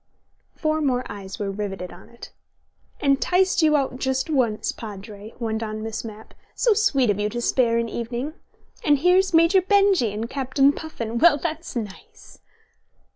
Four more eyes were riveted on it. "Enticed you out just once, Padre," went on Miss Mapp. "So sweet of you to spare an evening. And here's Major Benjy and Captain Puffin. Well, that is nice!"